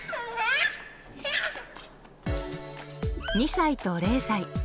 ２歳と０歳。